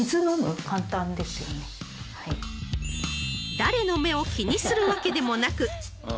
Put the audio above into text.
［誰の目を気にするわけでもなく］